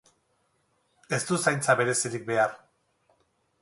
Ez du zaintza berezirik behar.